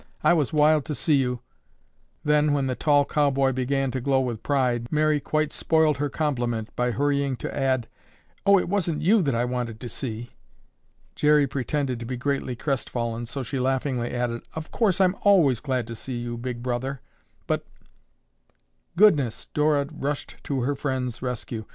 I was wild to see you—" then, when the tall cowboy began to glow with pride, Mary quite spoiled her compliment by hurrying to add, "Oh, it wasn't you that I wanted to see." Jerry pretended to be greatly crestfallen, so she laughingly added, "Of course I'm always glad to see you, Big Brother, but—" "Goodness!" Dora rushed to her friend's rescue.